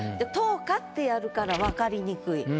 「灯火」ってやるから分かりにくい。